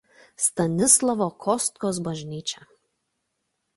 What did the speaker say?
Stanislovo Kostkos bažnyčia.